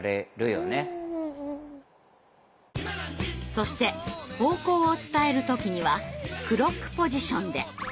そして方向を伝える時にはクロックポジションで！